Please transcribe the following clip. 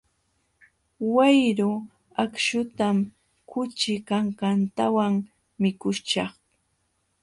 Wayru akśhutam kuchi kankantawan mikuśhaq.